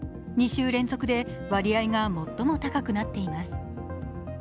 ２週連続で割合が最も高くなっています。